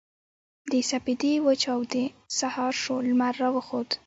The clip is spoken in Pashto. د سپـېدې وچـاودې سـهار شـو لمـر راوخـت.